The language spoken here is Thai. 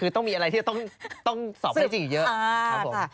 ต้องสอบให้จริงเยอะ